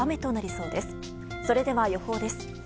それでは、予報です。